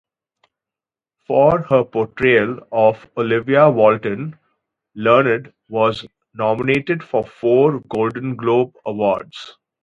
For her portrayal of Olivia Walton, Learned was nominated for four Golden Globe Awards.